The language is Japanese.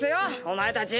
お前たち。